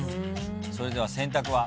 それでは選択は？